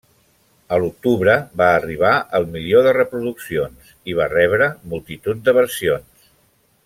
A l'octubre va arribar al milió de reproduccions i va rebre multitud de versions.